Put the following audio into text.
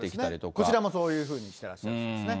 こちらもそういうふうにしてらっしゃるんですね。